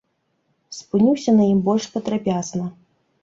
Спынюся на ім больш падрабязна.